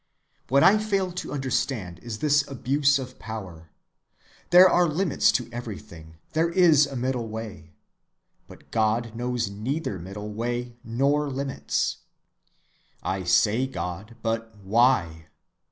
What I fail to understand is this abuse of power. There are limits to everything, there is a middle way. But God knows neither middle way nor limits. I say God, but why?